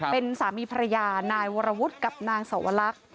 เป็นสามีภรรยานายวรวุฒิกับนางสวรรค